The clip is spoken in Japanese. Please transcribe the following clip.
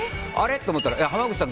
っと思ったら、濱口さん